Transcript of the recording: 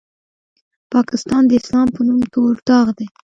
پاکستان د اسلام په نوم تور داغ دی.